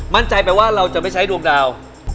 มั่นใจไปว่าเราจะไม่ใช้ดวงดาว